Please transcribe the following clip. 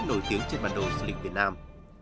nổi tiếng trên bản đồ du lịch việt nam